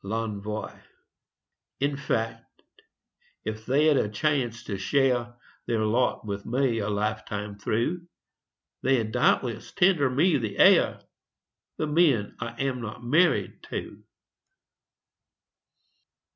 L'ENVOI In fact, if they'd a chance to share Their lot with me, a lifetime through, They'd doubtless tender me the air The men I am not married to.